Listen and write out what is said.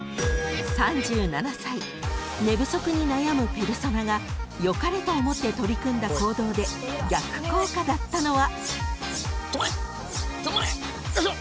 ［３７歳寝不足に悩むペルソナが良かれと思って取り組んだ行動で逆効果だったのは？］